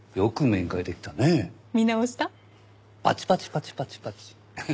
パチパチパチパチパチ。